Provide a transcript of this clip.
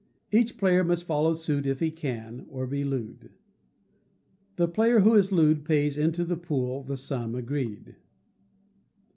Each player must follow suit if he can, or be looed. The player who is looed pays into the pool the sum agreed.